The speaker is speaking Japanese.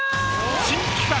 新企画！